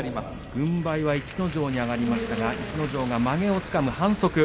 軍配は逸ノ城に上がりましたが逸ノ城がまげをつかむ反則。